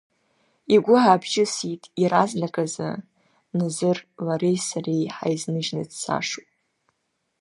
Игәы аабжьысит иаразнакы Назыр, лареи сареи ҳаизныжьны дцашоу?